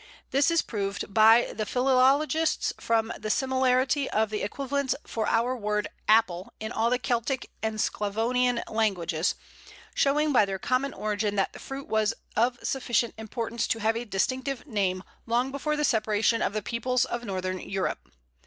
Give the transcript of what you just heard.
This is proved by the philologists from the similarity of the equivalents for our word Apple in all the Celtic and Sclavonian languages, showing by their common origin that the fruit was of sufficient importance to have a distinctive name long before the separation of the peoples of Northern Europe.